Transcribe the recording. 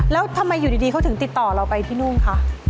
แล้วทำไมอยู่ดีเขาถึงติดต่อเราไปที่นู่นคะ